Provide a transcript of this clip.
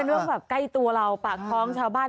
เรื่องแบบใกล้ตัวเราปากท้องชาวบ้าน